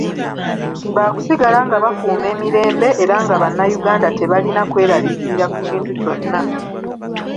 Baakusigala nga bakuuma emirembe era nga bannayuganda tebalina kweraliikirira ku kintu kyonna.